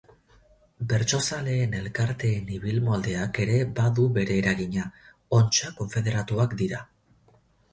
Bertsozaleen elkarteen ibilmoldeak ere badu bere eragina, ontsa konfederatuak dira.